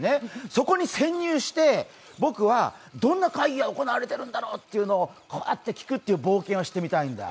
そこに潜入して、僕はどんな会議が行われているんだろうと聞くというカーって聞くっていう冒険をしてみたいんだ。